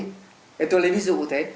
thế tôi lấy ví dụ thế